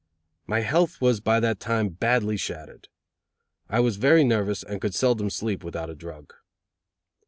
My health was by that time badly shattered. I was very nervous and could seldom sleep without a drug.